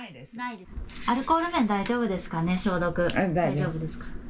アルコール綿、大丈夫ですかね、消毒。